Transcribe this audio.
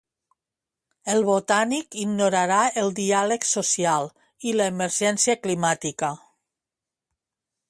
El Botànic ignorarà el diàleg social i l'emergència climàtica.